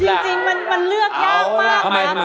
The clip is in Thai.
จริงมันเลือกยากมากนะ